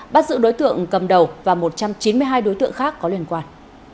bắt giữ đối tượng cầm đầu và một trăm chín mươi hai đối tượng khác có liên quan